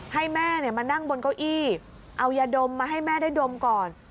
ให้แม่มานั่งบนเก้าอี้เอายาดมมาให้แม่ได้ดมก่อน